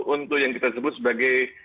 untuk yang kita sebut sebagai